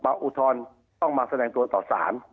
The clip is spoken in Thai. อุทธรณ์ต้องมาแสดงตัวต่อสาร